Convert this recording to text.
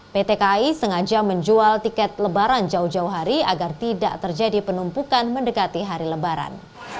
pt kai sengaja menjual tiket lebaran jauh jauh hari agar tidak terjadi penumpukan mendekati hari lebaran